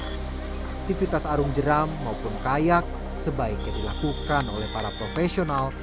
aktivitas arung jeram maupun kayak sebaiknya dilakukan oleh para profesional